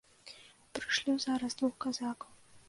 Прышлю зараз двух казакаў.